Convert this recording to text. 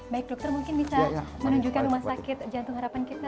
baik dokter mungkin bisa menunjukkan rumah sakit jantung harapan kita